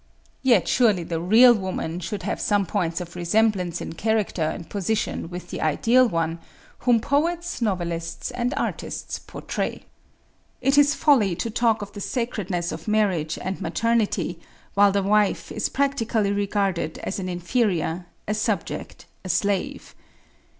Yet surely the real woman should have some points of resemblance in character and position with the ideal one, whom poets, novelists, and artists portray. "It is folly to talk of the sacredness of marriage and maternity, while the wife is practically regarded as an inferior, a subject, a slave.